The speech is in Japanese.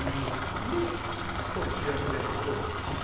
で今日の主役でもあるチーズ。